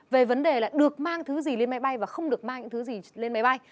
về vấn đề là được mang thứ gì lên máy bay và không được mang những thứ gì lên máy bay